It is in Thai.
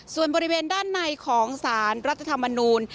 ส่วนบริเวณด้านในของสารรัฐธรรมนูล